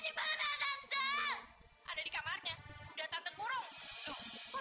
ibu tolong citra ibu